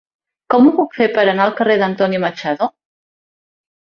Com ho puc fer per anar al carrer d'Antonio Machado?